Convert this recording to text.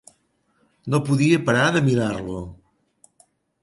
No podia parar de mirar-lo.